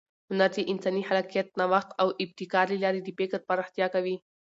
هنر د انساني خلاقیت، نوښت او ابتکار له لارې د فکر پراختیا کوي.